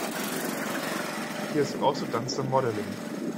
He has also done some modeling.